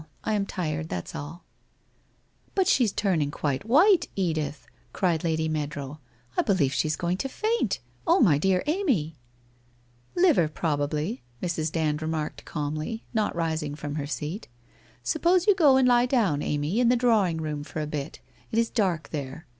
I am tired, that's all/ ' But she's turning quite white, Edith/ cried Lady Meadrow. ' I believe she's going to faint ! Oh, my dear Amy '' Liver, probably,' Mrs. Dand remarked calmly, not ris ing from her seat. ' Suppose you go and lie down, Amy, in the drawing room, for a bit. It is dark there.